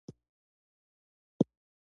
ښتې د افغان ځوانانو د هیلو استازیتوب کوي.